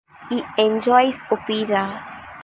He enjoys opera.